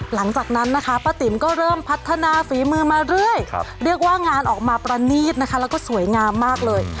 หลังจากนั้นนะคะป้าติ๋มก็เริ่มพัฒนาฝีมือมาเรื่อยเรียกว่างานออกมาประณีตนะคะแล้วก็สวยงามมากเลย